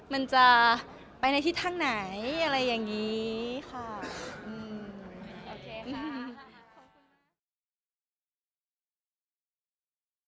มันจะไปในทิศทางไหนอะไรอย่างนี้ค่ะ